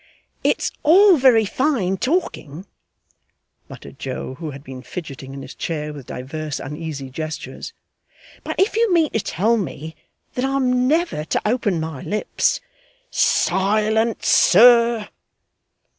'It's all very fine talking,' muttered Joe, who had been fidgeting in his chair with divers uneasy gestures. 'But if you mean to tell me that I'm never to open my lips ' 'Silence, sir!